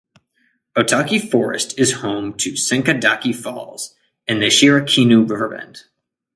Otaki Forest is home to Sankaidaki Falls and the Shirakinu River Bed.